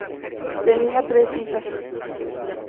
Tenía tres hijas.